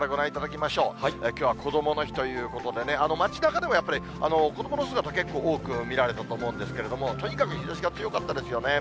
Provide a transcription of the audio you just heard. きょうはこどもの日ということでね、街なかでもやっぱり、子どもの姿、結構多く見られたと思うんですけれども、とにかく日ざしが強かったですよね。